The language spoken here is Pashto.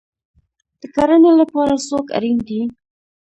د کرنې لپاره څوک اړین دی؟